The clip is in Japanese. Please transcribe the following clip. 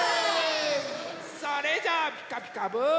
それじゃ「ピカピカブ！」。